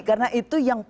karena itu yang